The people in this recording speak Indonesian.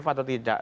adif atau tidak